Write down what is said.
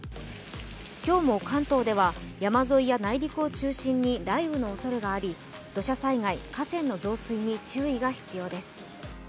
今日も関東では山沿いや内陸を中心に、雷雨のおそれがあり土砂災害、河川の増水に注意が必要です。